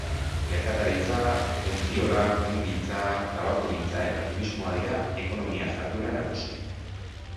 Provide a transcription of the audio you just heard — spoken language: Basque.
Merkataritza, ontziolak, ehungintza, tabakogintza eta turismoa dira ekonomia-jarduera nagusiak.